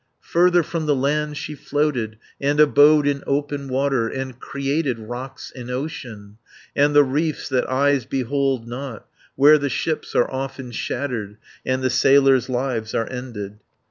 Further from the land she floated, And abode in open water, And created rocks in ocean, And the reefs that eyes behold not, Where the ships are often shattered, And the sailors' lives are ended.